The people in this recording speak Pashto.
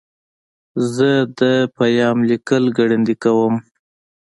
زه د پیام لیکل ګړندي کوم.